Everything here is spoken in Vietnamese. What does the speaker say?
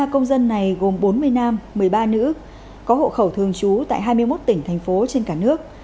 ba công dân này gồm bốn mươi nam một mươi ba nữ có hộ khẩu thường trú tại hai mươi một tỉnh thành phố trên cả nước